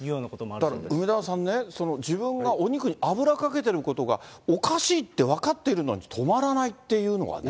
だから梅沢さんね、自分がお肉に油かけてることがおかしいって分かっているのに、止まらないっていうのはね。